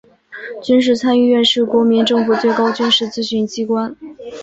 军事参议院是国民政府最高军事咨询机关。